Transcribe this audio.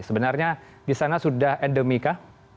sebenarnya di sana sudah endemika